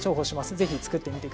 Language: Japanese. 是非作ってみて下さい。